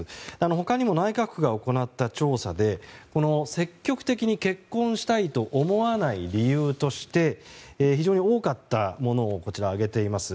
他にも内閣府が行った調査で積極的に結婚したいと思わない理由として非常に多かったものを挙げています。